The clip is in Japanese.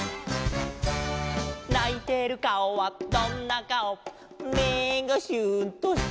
「ないてるかおはどんなかお」「目がシューンと下向いて」